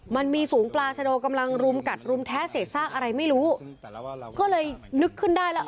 มันมีฝูงปลาชะโดกำลังรุมกัดรุมแท้เศษซากอะไรไม่รู้ก็เลยนึกขึ้นได้แล้ว